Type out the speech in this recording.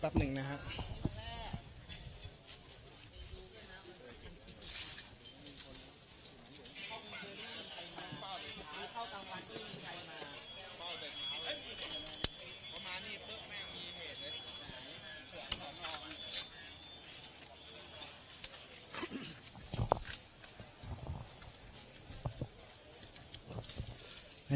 แป๊บหนึ่งนะฮะ